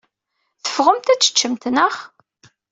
Teffɣemt ad teččemt, naɣ?